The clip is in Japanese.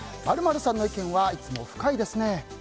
○○さんの意見はいつも深いですね。